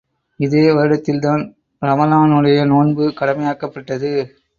இதே வருடத்தில்தான் ரமலானுடைய நோன்பு கடமையாக்கப்பட்டது.